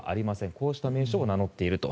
こうした名称を名乗っていると。